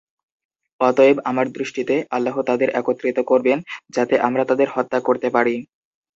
অতএব, আমার দৃষ্টিতে, আল্লাহ তাদের একত্রিত করবেন যাতে আমরা তাদের হত্যা করতে পারি।